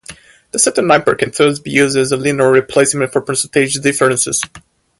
The centineper can thus be used as a linear replacement for percentage differences.